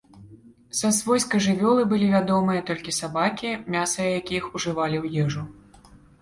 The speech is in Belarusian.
Са свойскай жывёлы былі вядомыя толькі сабакі, мяса якіх ужывалі ў ежу.